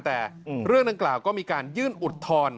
แต่เรื่องนั้นกล่าก็มีการยื่นอุดทอน